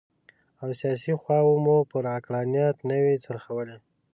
او سیاسي خواوې مو پر عقلانیت نه وي څرخولي.